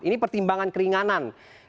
ini pertimbangan keringanan